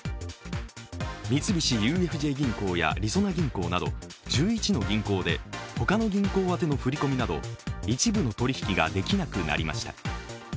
三菱ＵＦＪ銀行やりそな銀行など１１の銀行で、他の銀行あての振り込みなど一部の取り引きができなくなりました。